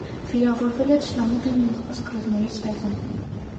Վիրավորվել է թշնամու դեմ մղված կռիվներից մեկում։